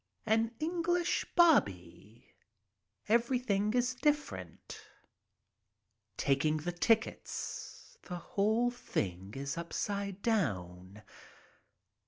An English "bobby." Everything is different. Taking the tickets. The whole thing is upside down.